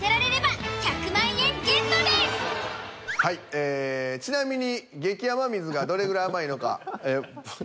はいええ「ちなみに激甘水がどれぐらい甘いのか」。